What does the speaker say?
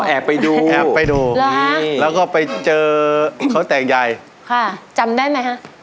อ๋อแอบไปดูนี่แล้วก็ไปเจอเขาแต่งยายค่ะจำได้ไหมฮะ